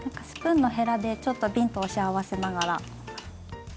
スプーンのへらでちょっとびんと押し合わせながら。